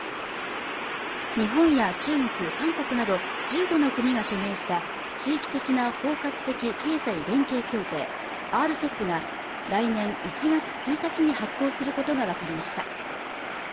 日本や中国韓国など１５の国が署名した地域的な包括的経済連携協定ＲＣＥＰが来年１月１日に発効することが分かりました